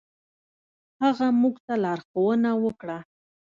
هغه موږ ته لارښوونه وکړه.